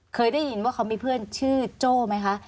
เคยได้ยินว่าเขามีเพื่อนชื่อโจ้ไหมคะ